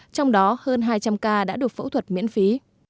trong đó hơn hai trăm linh ca đã được phẫu thuật miễn phí